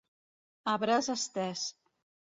A braç estès.